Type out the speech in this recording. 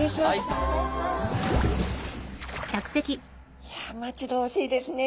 いや待ち遠しいですね。